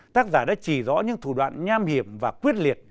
tác giả đã chỉ rõ những thủ đoạn nham hiểm và quyết liệt